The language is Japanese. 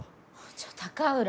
ちょっと高浦。